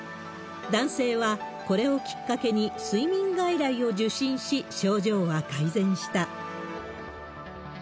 男性は、これをきっかけに睡眠外来を受診し、症状は改善した。